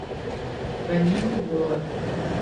Venim d'Olot.